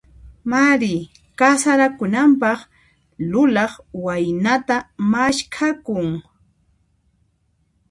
Mari kasarakunanpaq, lulaq waynata maskhakun.